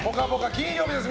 金曜日です。